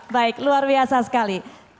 baik luar biasa sekali